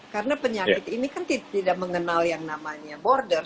karena penyakit ini kan tidak mengenal yang namanya border